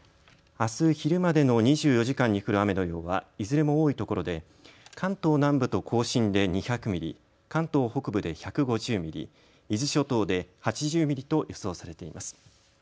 あす昼までの２４時間に降る雨の量はいずれも多いところで関東南部と甲信で２００ミリ、関東北部で１５０ミリ、伊豆諸島で８０ミリと予想されています。